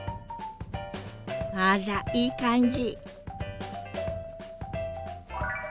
あらいい感じ。